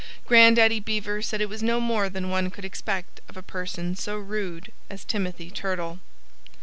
Grandaddy Beaver said it was no more than one could expect of a person so rude as Timothy Turtle.